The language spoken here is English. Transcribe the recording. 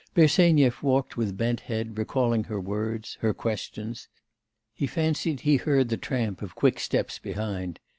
Bersenyev walked with bent head, recalling her words, her questions. He fancied he heard the tramp of quick steps behind.